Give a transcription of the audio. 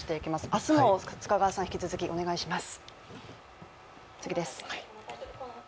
明日も須賀川さん、引き続きお願いします。